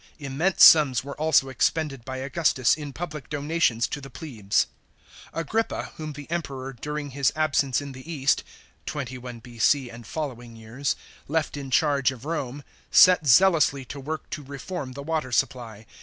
Immense sums were also expended by Augustus in public donations to the plebs. Agrippa, whom the Emperor during his absence in the Mast (21 B.C., and following years) left in charge of Rome, set zealously to work to reform the water supply.